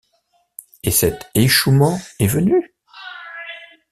Et cet échouement est venu ?...